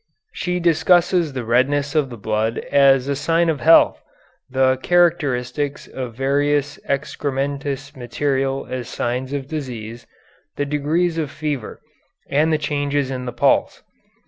She discusses the redness of the blood as a sign of health, the characteristics of various excrementitious material as signs of disease, the degrees of fever, and the changes in the pulse.